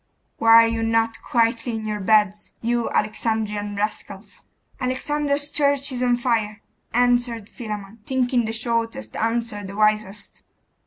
Why are you not quietly in your beds, you Alexandrian rascals?' 'Alexander's church is on fire,' answered Philammon, thinking the shortest answer the wisest.